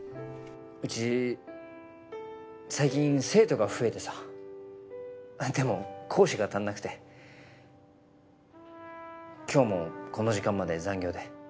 うち最近生徒が増えてさでも講師が足んなくて今日もこの時間まで残業で。